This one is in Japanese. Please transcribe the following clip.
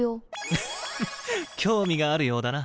フッフフ興味があるようだな。